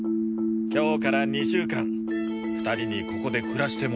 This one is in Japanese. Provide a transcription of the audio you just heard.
今日から２週間２人にここで暮らしてもらうから。